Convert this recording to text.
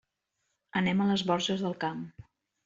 Anem a les Borges del Camp.